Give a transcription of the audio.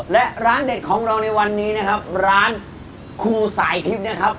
และร้านเด็ดของเราในวันนี้นะครับร้านครูสายทิพย์นะครับ